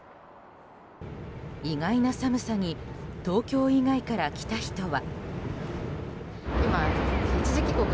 意外な寒さに東京以外から来た人は。